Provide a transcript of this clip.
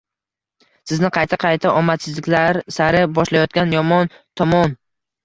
Sizni qayta-qayta omadsizliklar sari boshlayotgan yomon tomon.